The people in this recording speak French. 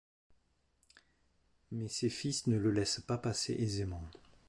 Mais ses fils ne le laissent pas passer aisément.